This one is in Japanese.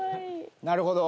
なるほど。